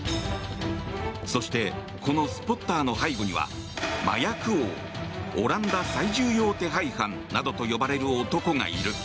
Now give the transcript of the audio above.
そしてこのスポッターの背後には麻薬王、オランダ最重要手配犯などと呼ばれる男がいる。